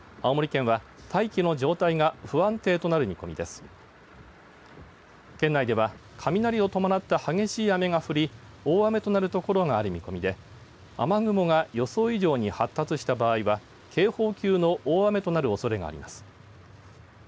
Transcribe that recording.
県内では雷を伴った激しい雨が降り、大雨となる所がある見込みで雨雲が予想以上に発達した場合は警報級の大雨となるおそれがあります。